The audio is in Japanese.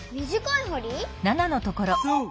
そう。